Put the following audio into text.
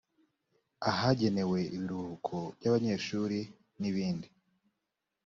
ahagenewe ibiruhuko by abanyeshuli n ibindi